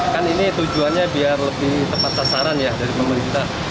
kan ini tujuannya biar lebih tepat sasaran ya dari pemerintah